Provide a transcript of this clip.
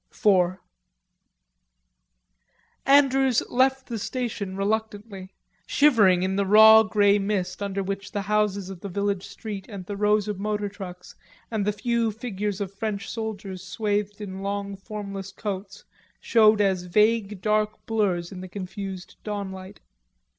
IV Andrews left the station reluctantly, shivering in the raw grey mist under which the houses of the village street and the rows of motor trucks and the few figures of French soldiers swathed in long formless coats, showed as vague dark blurs in the confused dawnlight.